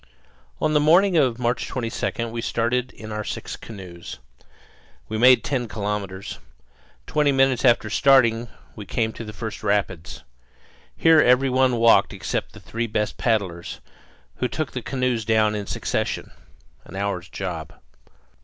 On the morning of March 22 we started in our six canoes. We made ten kilometres. Twenty minutes after starting we came to the first rapids. Here every one walked except the three best paddlers, who took the canoes down in succession an hour's job.